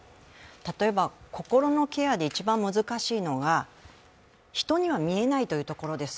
例えば心のケアで一番難しいのが、人には見えないというところです。